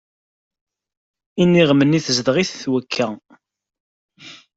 Iniɣem-nni tezdeɣ-it twekka.